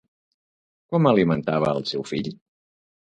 Com alimentava el seu fill?